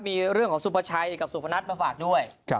มีเรื่องของสุภาชัยกับสุพนัทมาฝากด้วย